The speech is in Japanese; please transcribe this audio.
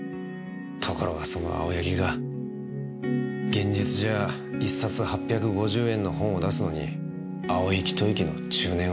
ところがその青柳が現実じゃあ１冊８５０円の本を出すのに青息吐息の中年男。